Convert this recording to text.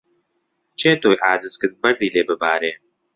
کێ تۆی عاجز کرد بەردی لێ ببارێ